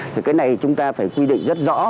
thì cái này chúng ta phải quy định rất rõ